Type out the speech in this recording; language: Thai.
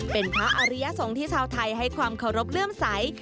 เป็นพระอริยสงฆ์ที่ชาวไทยให้ความเคารพเลื่อมใส